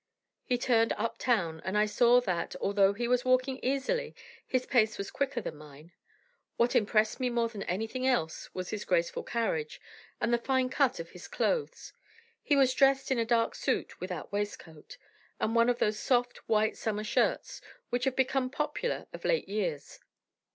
He turned up town, and I saw that, although he was walking easily, his pace was quicker than mine. What impressed me more than anything else was his graceful carriage and the fine cut of his clothes. He was dressed in a dark suit without waistcoat, and one of those soft, white summer shirts which have become popular of late years.